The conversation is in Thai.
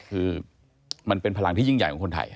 คือมันเป็นพลังที่ยิ่งใหญ่ของคนไทย